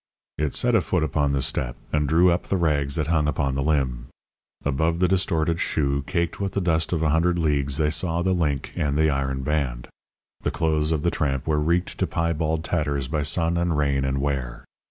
It set a foot upon the step and drew up the rags that hung upon the limb. Above the distorted shoe, caked with the dust of a hundred leagues, they saw the link and the iron band. The clothes of the tramp were wreaked to piebald tatters by sun and rain and wear.